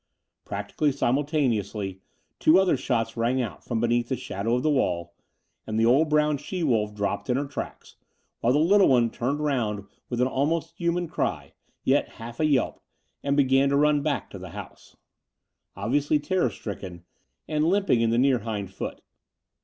Practically simultaneously two other shots rang out from beneath the shadow of the wall, and the old brown she wolf dropped in her tracks, while the little one turned round with an almost human cry, yet half a yelp, and began to run back to the house, 292 The Door of the Unreal obviously terror stricken, and limping in the near hind foot.